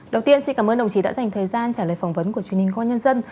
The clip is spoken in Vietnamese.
đầu tiên xin cảm ơn đồng chí đã dành thời gian trả lời phỏng vấn của truyền hình công an nhân dân